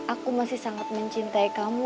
aku masih sangat mencintai kamu